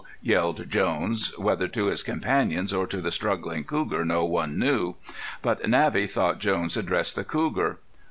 yelled Jones, whether to his companions or to the struggling cougar, no one knew. But Navvy thought Jones addressed the cougar.